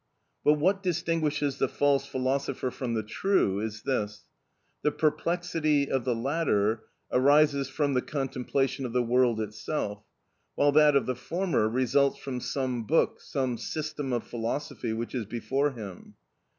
But what distinguishes the false philosopher from the true is this: the perplexity of the latter arises from the contemplation of the world itself, while that of the former results from some book, some system of philosophy which is before him.